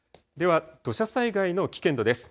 では土砂災害の危険度です。